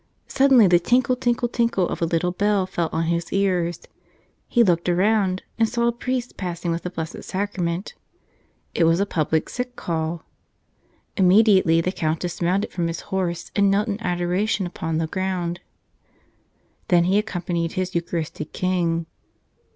Suddenly the tinkle, tinkle, tinkle of a little bell fell on his ears. He looked around and saw a priest passing with the Blessed Sacrament. It was a public sick call. Immediately the Count dismounted from his horse and knelt in ador¬ ation upon the ground. Then he accompanied his Eucharistic King.